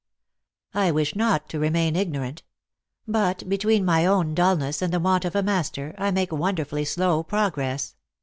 " I wish not to remain ignorant. But between my own dullness and the want of a master, I make won derfully slow progress.